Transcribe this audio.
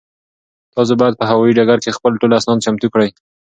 تاسو باید په هوایي ډګر کې خپل ټول اسناد چمتو کړئ.